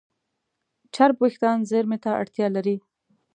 چرب وېښتيان زېرمه ته اړتیا لري.